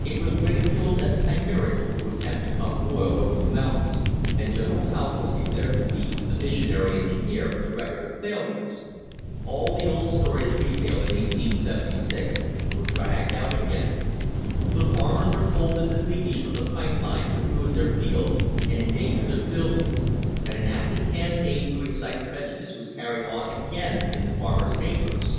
It was ridiculed as chimerical to attempt to pump oil over the mountains, and General Haupt was declared to be a visionary engineer with a record of failures. All the old stories retailed in 1876 were dragged out again. The farmers were told that the leakage from the pipe line would ruin their fields and endanger their buildings, and an active campaign to excite prejudice was car ried on again in the farmers' papers.